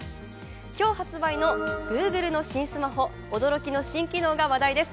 今日発売のＧｏｏｇｌｅの新スマホ、驚きの新機能が話題です。